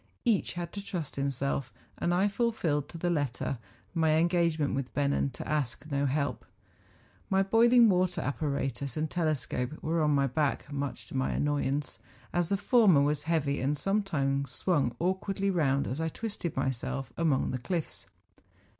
Each had to trust to himself; and I fulfilled to the letter my engagement with Bennen to ask no help. My boiling water apparatus and telescope were on my back, much to my annoyance, as the former was heavy, and sometimes swung awkwardly round as I twisted myself among the cliffs.